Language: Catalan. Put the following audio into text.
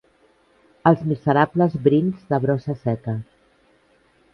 Els miserables brins de brossa seca.